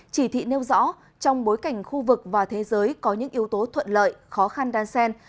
chỉ thị nêu rõ trong bối cảnh khu vực và thế giới có những yếu tố thuận lợi khó khăn đan sen